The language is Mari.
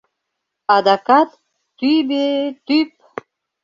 Адакат — тӱбӧ-тӱп!